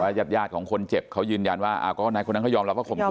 แต่ว่ายาดของคนเจ็บเขายืนยันว่าอ้าวก็ไหนคนนั้นเขายอมรับว่าข่มกลืน